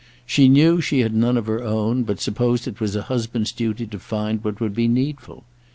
She knew she had none of her own, but supposed it was a husband's duty to find what would be needful.